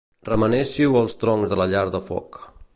Remenéssiu els troncs de la llar de foc.